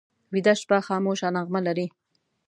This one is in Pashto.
ویده شپه خاموشه نغمه لري